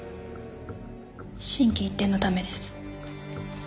心機一転のためです。